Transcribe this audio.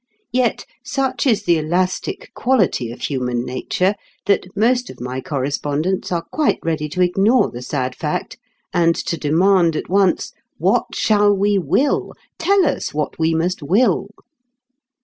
Yet such is the elastic quality of human nature that most of my correspondents are quite ready to ignore the sad fact and to demand at once: "what shall we will? Tell us what we must will."